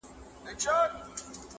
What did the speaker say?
تا پټ کړی تر خرقې لاندي تزویر دی!.